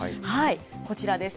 こちらです。